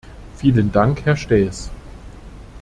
Vielen Dank, Herr Staes.